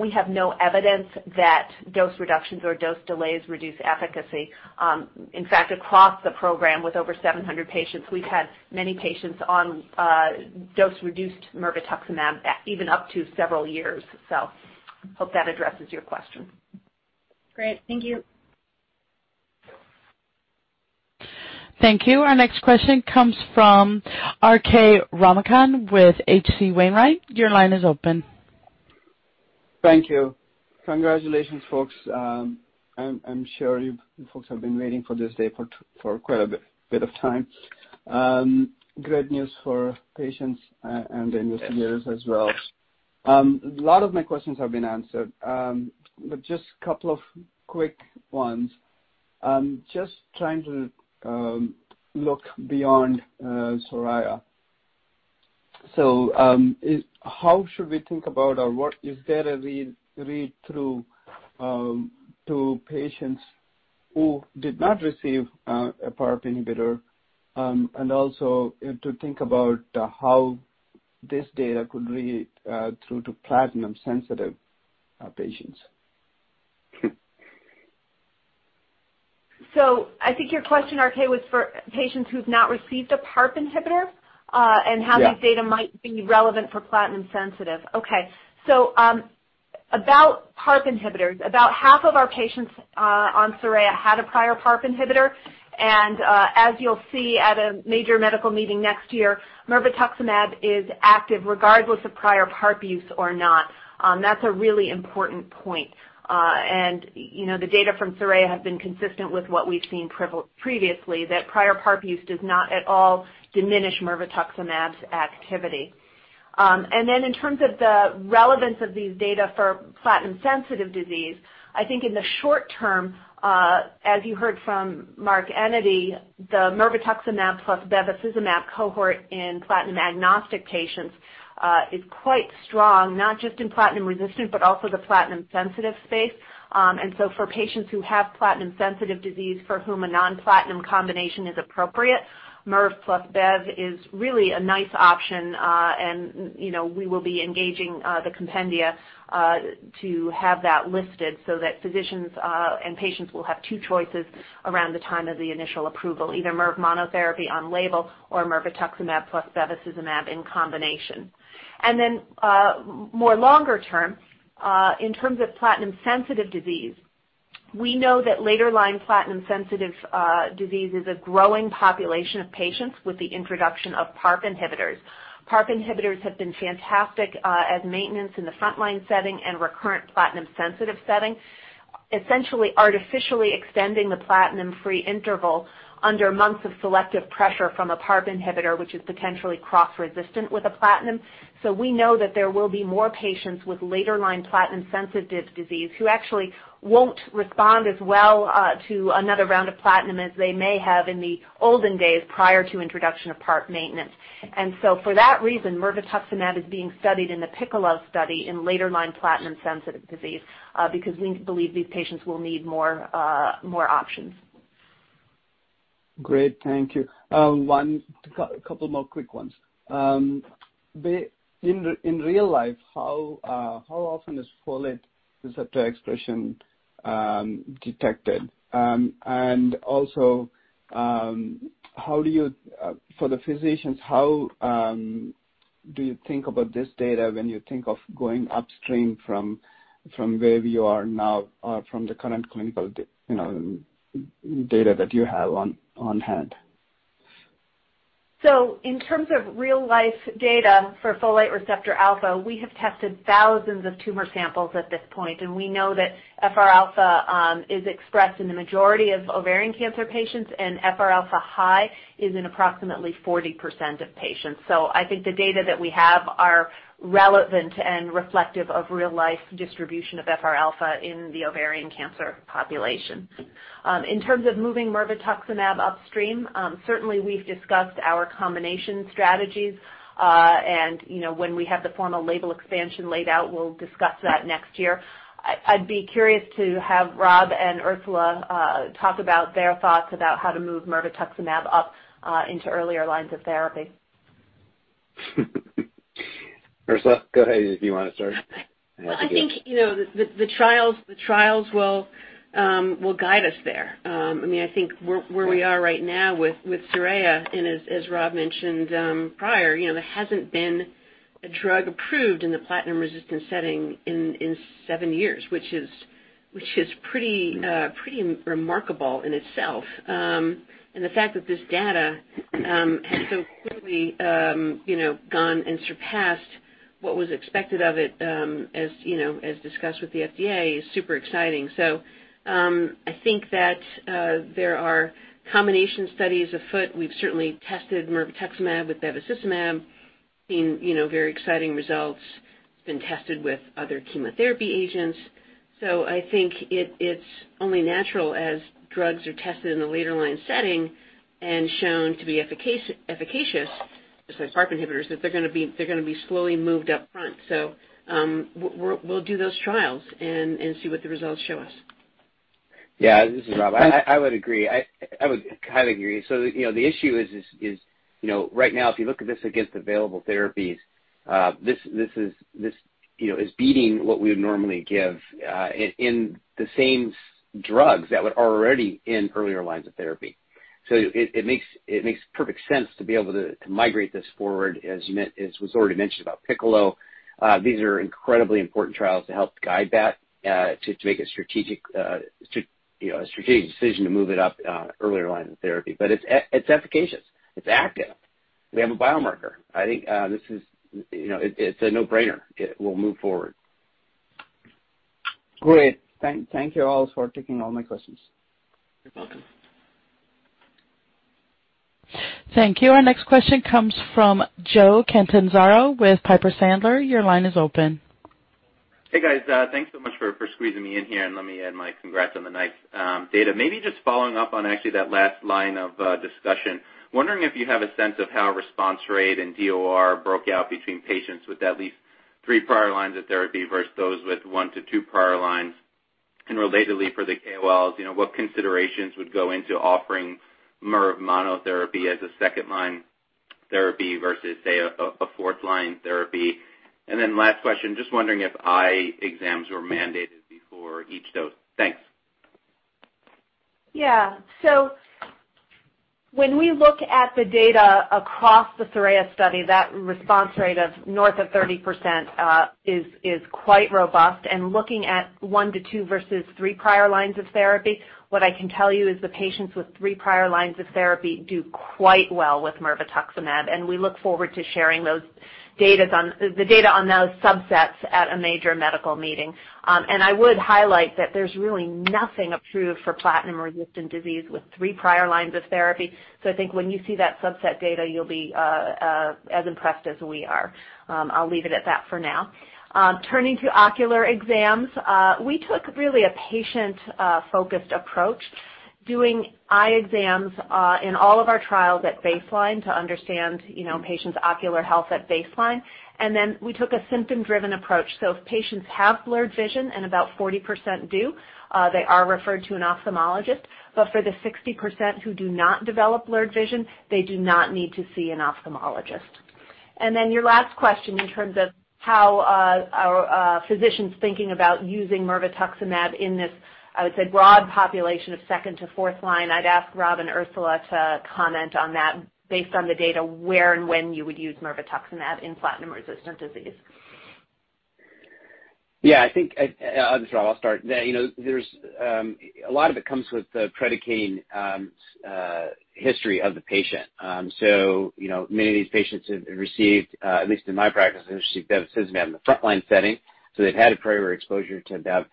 We have no evidence that dose reductions or dose delays reduce efficacy. In fact, across the program with over 700 patients, we've had many patients on dose-reduced mirvetuximab, even up to several years. I hope that addresses your question. Great. Thank you. Thank you. Our next question comes from R.K. Ramakanth with H.C. Wainwright. Your line is open. Thank you. Congratulations, folks. I'm sure you folks have been waiting for this day for quite a bit of time. Great news for patients and investors. Yes. As well. A lot of my questions have been answered. But just couple of quick ones. Just trying to look beyond SORAYA. How should we think about or what is there a read through to patients who did not receive a PARP inhibitor, and also to think about how this data could read through to platinum-sensitive patients? I think your question, R.K., was for patients who've not received a PARP inhibitor. Yes. How these data might be relevant for platinum-sensitive. Okay. About PARP inhibitors. About half of our patients on SORAYA had a prior PARP inhibitor. As you'll see at a major medical meeting next year, mirvetuximab is active regardless of prior PARP use or not. That's a really important point. You know, the data from SORAYA has been consistent with what we've seen previously, that prior PARP use does not at all diminish mirvetuximab's activity. In terms of the relevance of these data for platinum-sensitive disease, I think in the short term, as you heard from Mark Enyedy, the mirvetuximab plus bevacizumab cohort in platinum-agnostic patients is quite strong, not just in platinum-resistant, but also the platinum-sensitive space. For patients who have platinum sensitive disease for whom a non-platinum combination is appropriate, MIRV plus bev is really a nice option. You know, we will be engaging the compendia to have that listed so that physicians and patients will have two choices around the time of the initial approval. Either MIRV monotherapy on label or mirvetuximab plus bevacizumab in combination. In the longer term, in terms of platinum sensitive disease, we know that later-line platinum sensitive disease is a growing population of patients with the introduction of PARP inhibitors. PARP inhibitors have been fantastic as maintenance in the front line setting and recurrent platinum sensitive setting, essentially artificially extending the platinum-free interval for months of selective pressure from a PARP inhibitor, which is potentially cross-resistant with a platinum. We know that there will be more patients with later-line platinum sensitive disease who actually won't respond as well to another round of platinum as they may have in the olden days prior to introduction of PARP maintenance. For that reason, mirvetuximab is being studied in the PICCOLO study in later-line platinum sensitive disease because we believe these patients will need more options. Great, thank you. Couple more quick ones. In real life, how often is folate receptor expression detected? Also, how do you, for the physicians, how do you think about this data when you think of going upstream from where you are now or from the current clinical, you know, data that you have on hand? In terms of real-life data for folate receptor alpha, we have tested thousands of tumor samples at this point, and we know that FRα is expressed in the majority of ovarian cancer patients, and FRα high is in approximately 40% of patients. I think the data that we have are relevant and reflective of real-life distribution of FRα in the ovarian cancer population. In terms of moving mirvetuximab upstream, certainly we've discussed our combination strategies. You know, when we have the formal label expansion laid out, we'll discuss that next year. I'd be curious to have Robert and Ursula talk about their thoughts about how to move mirvetuximab up into earlier lines of therapy. Ursula, go ahead, if you wanna start. I think, you know, the trials will guide us there. I mean, I think where we are right now with SORAYA, and as Rob mentioned, prior, you know, there hasn't been a drug approved in the platinum-resistant setting in seven years, which is pretty remarkable in itself. And the fact that this data has so clearly, you know, gone and surpassed what was expected of it, as you know, as discussed with the FDA, is super exciting. I think that there are combination studies afoot. We've certainly tested mirvetuximab with bevacizumab. seen, you know, very exciting results. It's been tested with other chemotherapy agents. I think it's only natural as drugs are tested in the later line setting and shown to be efficacious, just like PARP inhibitors, that they're gonna be slowly moved up front. We'll do those trials and see what the results show us. Yeah. This is Rob. I would agree. I would kind of agree. The issue is, you know, right now, if you look at this against available therapies, this is beating what we would normally give in the same drugs that were already in earlier lines of therapy. It makes perfect sense to be able to migrate this forward, as was already mentioned about PICCOLO. These are incredibly important trials to help guide that, to make a strategic decision to move it up earlier line of therapy. It's efficacious, it's active. We have a biomarker. I think this is, you know, it's a no-brainer. It will move forward. Great. Thank you all for taking all my questions. You're welcome. Thank you. Our next question comes from Joe Catanzaro with Piper Sandler. Your line is open. Hey, guys. Thanks so much for squeezing me in here, and let me add my congrats on the nice data. Maybe just following up on actually that last line of discussion. Wondering if you have a sense of how response rate and DOR broke out between patients with at least three prior lines of therapy versus those with one to two prior lines. Relatedly, for the KOLs, you know, what considerations would go into offering MIRV monotherapy as a second-line therapy versus, say, a fourth line therapy? Last question, just wondering if eye exams were mandated before each dose. Thanks. Yeah. When we look at the data across the SORAYA study, that response rate of north of 30% is quite robust. Looking at 1-2 versus 3 prior lines of therapy, what I can tell you is the patients with 3 prior lines of therapy do quite well with mirvetuximab, and we look forward to sharing the data on those subsets at a major medical meeting. I would highlight that there's really nothing approved for platinum-resistant disease with 3 prior lines of therapy. I think when you see that subset data, you'll be as impressed as we are. I'll leave it at that for now. Turning to ocular exams, we took really a patient-focused approach, doing eye exams in all of our trials at baseline to understand, you know, patients' ocular health at baseline. We took a symptom-driven approach. If patients have blurred vision, and about 40% do, they are referred to an ophthalmologist. For the 60% who do not develop blurred vision, they do not need to see an ophthalmologist. Your last question in terms of how our physicians thinking about using mirvetuximab in this, I would say broad population of second to fourth line. I'd ask Rob and Ursula to comment on that based on the data where and when you would use mirvetuximab in platinum-resistant disease. This is Robert. I'll start. You know, there's a lot of it comes with the predicting history of the patient. You know, many of these patients have received at least in my practice bevacizumab in the frontline setting, so they've had a prior exposure to bev.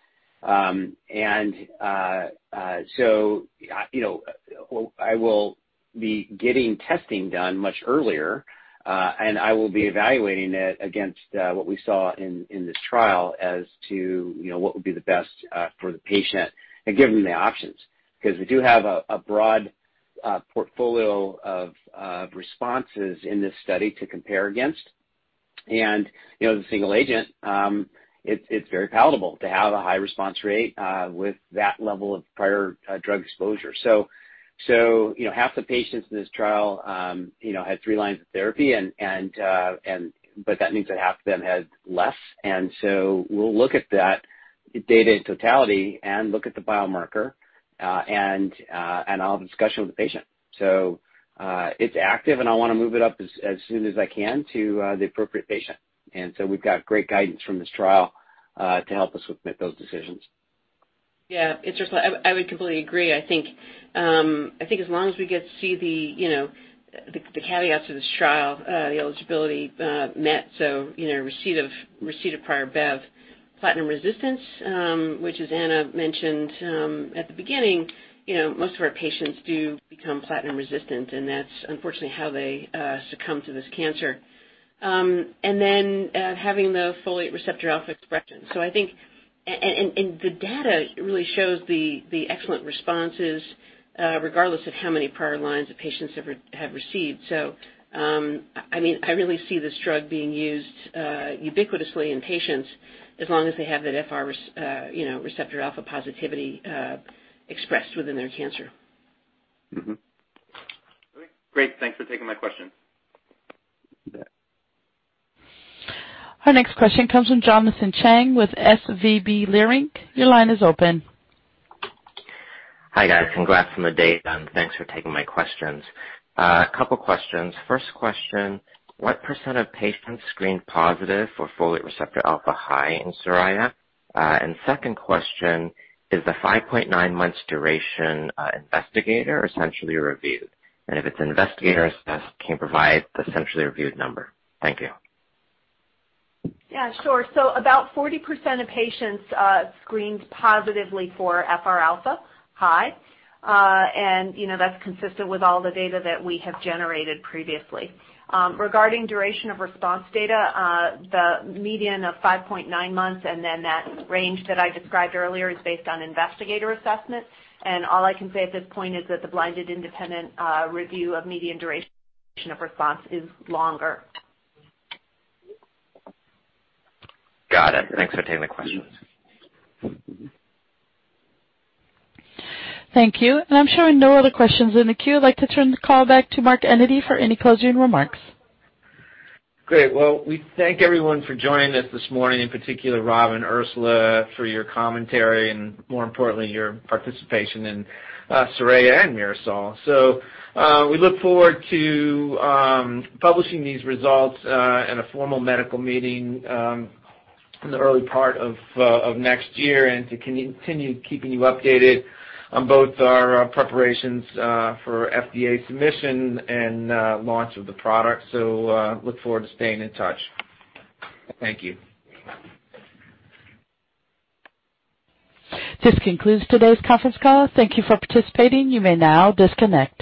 You know, I will be getting testing done much earlier, and I will be evaluating it against what we saw in this trial as to you know what would be the best for the patient and give them the options. 'Cause we do have a broad portfolio of responses in this study to compare against. You know, the single agent, it's very palatable to have a high response rate with that level of prior drug exposure. You know, half the patients in this trial had three lines of therapy, but that means that half of them had less. We'll look at that data in totality and look at the biomarker and I'll have a discussion with the patient. It's active, and I wanna move it up as soon as I can to the appropriate patient. We've got great guidance from this trial to help us with those decisions. Yeah. It's Ursula. I would completely agree. I think as long as we get to see the caveats of this trial, you know, the eligibility met, you know, receipt of prior bev platinum resistance, which as Anna mentioned at the beginning, you know, most of our patients do become platinum resistant, and that's unfortunately how they succumb to this cancer. Having the folate receptor alpha expression. The data really shows the excellent responses regardless of how many prior lines the patients have received. I mean, I really see this drug being used ubiquitously in patients as long as they have that FRα positivity expressed within their cancer. Mm-hmm. Great. Thanks for taking my question. You bet. Our next question comes from Jonathan Chang with SVB Leerink. Your line is open. Hi, guys. Congrats on the data, and thanks for taking my questions. A couple questions. First question, what % of patients screened positive for folate receptor alpha-high in SORAYA? Second question, is the 5.9 months duration investigator or centrally reviewed? If it's investigator assessed, can you provide the centrally reviewed number? Thank you. Yeah, sure. About 40% of patients screened positively for FRα high. You know, that's consistent with all the data that we have generated previously. Regarding duration of response data, the median of 5.9 months and then that range that I described earlier is based on investigator assessment, and all I can say at this point is that the blinded independent review of median duration of response is longer. Got it. Thanks for taking the questions. Thank you. I'm showing no other questions in the queue. I'd like to turn the call back to Mark Enyedy for any closing remarks. Great. Well, we thank everyone for joining us this morning, in particular Rob and Ursula, for your commentary and more importantly, your participation in SORAYA and MIRASOL. We look forward to publishing these results in a formal medical meeting in the early part of next year and to continue keeping you updated on both our preparations for FDA submission and launch of the product. We look forward to staying in touch. Thank you. This concludes today's Conference Call. Thank you for participating. You may now disconnect.